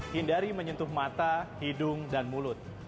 hindari menyentuh mata hidung dan mulut